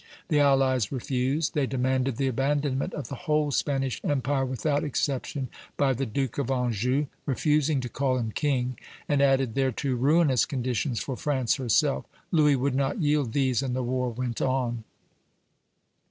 The allies refused; they demanded the abandonment of the whole Spanish Empire without exception by the Duke of Anjou, refusing to call him king, and added thereto ruinous conditions for France herself. Louis would not yield these, and the war went on.